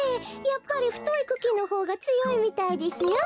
やっぱりふといクキのほうがつよいみたいですよ。